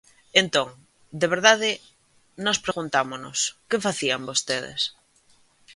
Entón, de verdade, nós preguntámonos, ¿que facían vostedes?